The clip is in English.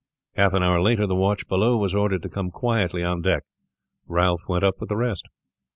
Half an hour later the watch below was ordered to come quietly on deck. Ralph went up with the rest.